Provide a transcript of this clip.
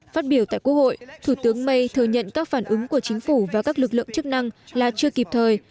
phát biểu tại quốc hội thủ tướng may thừa nhận các phản ứng của chính phủ và các lực lượng chức năng là chưa kịp thời